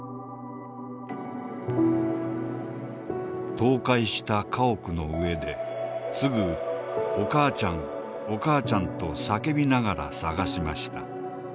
「倒壊した家屋の上ですぐ『お母ちゃんお母ちゃん』と叫びながら捜しました。